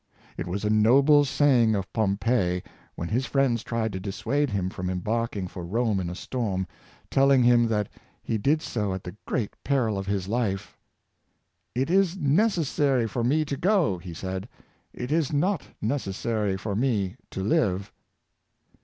It was a noble saying of Pompey, when his friends tried to dissuade him from embarking for Rome in a storm, telling him that he did so at the great peril of his life: "It is necessary for me to go," he said, "it is not necessary for me to live."